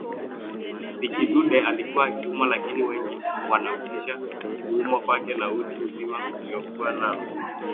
Bi Kidude alikuwa akiumwa lakini wengi wanahusisha kuumwa kwake na utu uzima aliokuwa nao